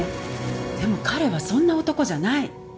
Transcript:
でも彼はそんな男じゃない。